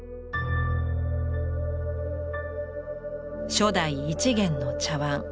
初代一元の茶碗。